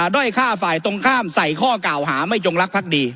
ด้อยฆ่าฝ่ายตรงข้ามใส่ข้อกล่าวหาไม่จงรักภักดี